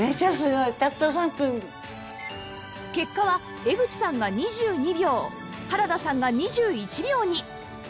結果は江口さんが２２秒原田さんが２１秒に